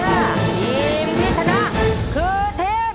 ทีมที่ชนะคือทีม